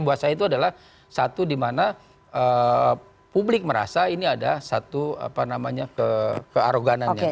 buat saya itu adalah satu dimana publik merasa ini ada satu apa namanya kearoganannya